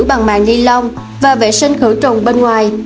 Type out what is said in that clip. bị tử bằng màng ni lông và vệ sinh khử trùng bên ngoài